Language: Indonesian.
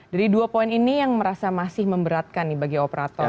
jadi dua poin ini yang merasa masih memberatkan bagi operator